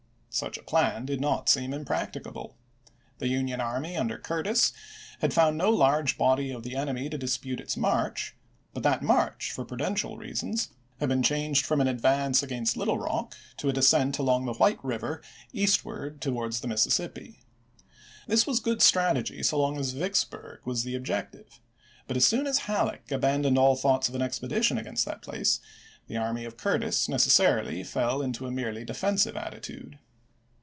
Such a plan did not seem impracticable. 'The Union army under Curtis had found no large body of the enemy to dispute its march ; but that march, for prudential reasons, had been changed from an advance against Little Rock to a descent along the White River eastward towards the Mississippi. This was good strategy so long as Vicksburg was the objective, but as soon as Halleck abandoned all thoughts of an expedition against that place, the army of Curtis necessarily fell into a merely de fensive attitude.